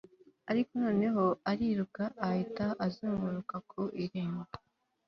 Ariko noneho ariruka ahita azunguruka ku irembo